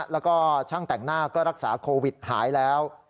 แล้วก็ช่างแต่งหน้าก็รักษาโควิดหายแล้ว